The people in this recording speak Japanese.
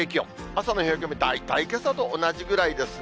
朝の冷え込み、大体けさと同じくらいですね。